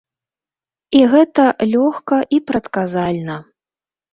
І гэта лёгка і прадказальна.